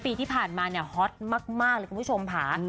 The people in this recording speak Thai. ปีที่ผ่านมาเนี่ยฮอตมากเลยคุณผู้ชมค่ะ